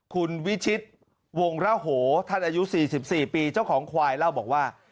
คุณวิชิตวงระโหท่านอายุ๔๔ปีเจ้าของควายเล่าบอกว่า